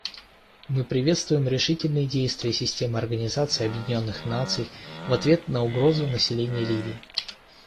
Мы приветствуем решительные действия системы Организации Объединенных Наций в ответ на угрозу населению Ливии.